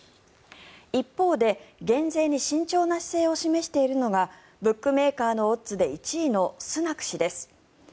一方で、減税に慎重な姿勢を示しているのがブックメーカーのオッズで１位のスナク氏です。